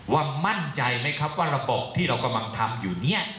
ว่ามั่นใจไหมครับว่าระบบที่เรากำลังทำอยู่เนี่ย